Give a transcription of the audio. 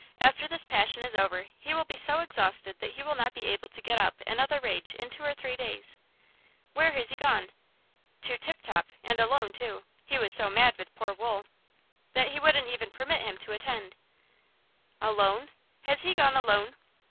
After this passion is over he will be so exhausted that he will not be able to get up another rage in two or three days." "Where has he gone?" "To Tip Top, and alone too; he was so mad with poor Wool that he wouldn't even permit him to attend. "Alone? Has he gone alone?